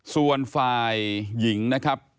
ส่วนฝ่ายหญิงนะครับ